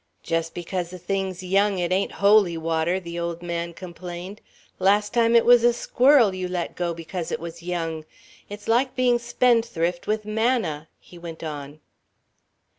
"Just because a thing's young, it ain't holy water," the old man complained. "Last time it was a squirrel you let go because it was young it's like being spendthrift with manna...." he went on.